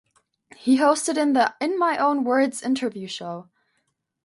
He hosted the "In My Own Words" interview show.